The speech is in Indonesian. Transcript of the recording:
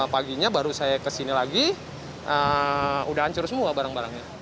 paginya baru saya kesini lagi udah hancur semua barang barangnya